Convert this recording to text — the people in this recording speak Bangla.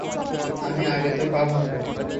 আমি আগে তোর পা ভাঙবো।